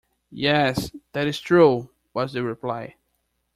"Yes, that is true," was the reply.